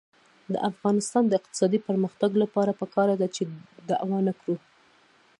د افغانستان د اقتصادي پرمختګ لپاره پکار ده چې دعوه ونکړو.